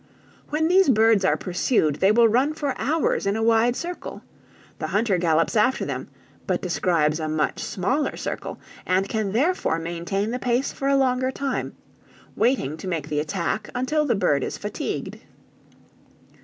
"When these birds are pursued, they will run for hours in a wide circle; the hunter gallops after them, but describes a much smaller circle, and can therefore maintain the pace for a longer time, waiting to make the attack until the bird is fatigued.